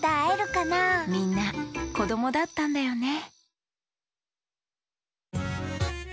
みんなこどもだったんだよね